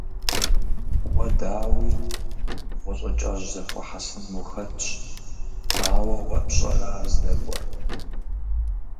Уэ, дауи, гъущӀыкӀэжь зэхуэхьэсыным ухэтщ; ауэ уэ пщӀэрэ ар здэкӀуэр?